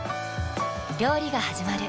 料理がはじまる。